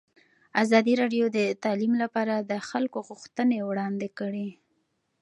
ازادي راډیو د تعلیم لپاره د خلکو غوښتنې وړاندې کړي.